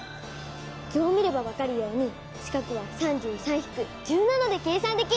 図を見ればわかるように四角は３３引く１７で計算できるよ。